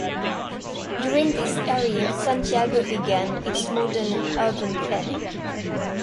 During this era Santiago began its modern urban planning.